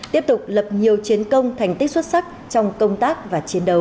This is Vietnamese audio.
tiếp tục lập nhiều chiến công thành tích xuất sắc trong công tác và chiến đấu